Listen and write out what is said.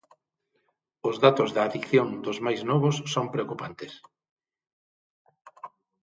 Os datos da adicción dos máis novos son preocupantes.